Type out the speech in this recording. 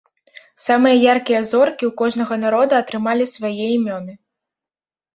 Самыя яркія зоркі ў кожнага народа атрымалі свае імёны.